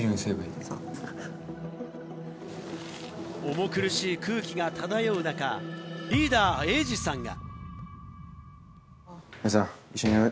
重苦しい空気が漂う中、リーダー、エイジさんが。